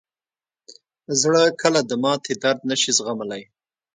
زړه کله د ماتې درد نه شي زغملی.